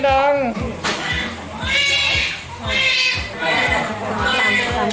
สองคนหนึ่ง